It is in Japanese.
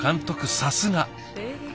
さすが。